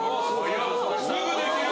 すぐできる！